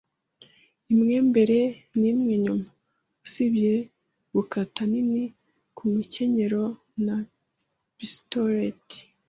imwe mbere nimwe inyuma - usibye gukata nini kumukenyerero na pistolet